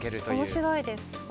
面白いです。